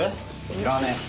いらねえ。